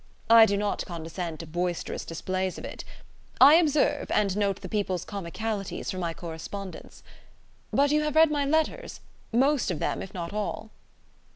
I do not condescend to boisterous displays of it. I observe, and note the people's comicalities for my correspondence. But you have read my letters most of them, if not all?"